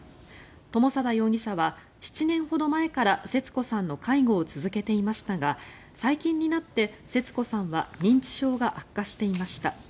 友貞容疑者は７年ほど前から節子さんの介護を続けていましたが最近になって節子さんは認知症が悪化していました。